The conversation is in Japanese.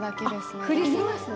クリスマスの。